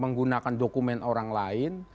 menggunakan dokumen orang lain